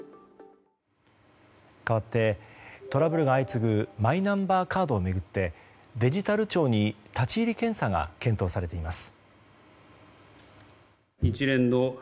かわってトラブルが相次ぐマイナンバーカードを巡ってデジタル庁に、立ち入り検査が検討されています。